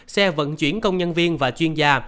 xe vận chuyển công nhân viên và chuyên gia